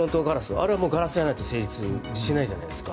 あれはガラスじゃないと成立しないじゃないですか。